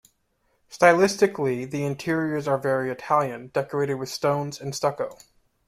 Stylistically, the interiors are very Italian, decorated with stones and stucco.